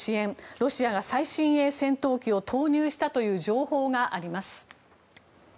ロシアが最新鋭戦闘機を投入したという情報があります。